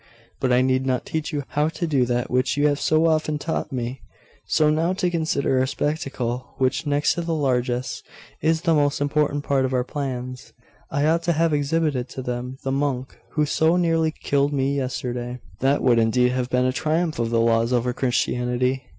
But I need not teach you how to do that which you have so often taught me: so now to consider our spectacle, which, next to the largess, is the most important part of our plans. I ought to have exhibited to them the monk who so nearly killed me yesterday. That would indeed have been a triumph of the laws over Christianity.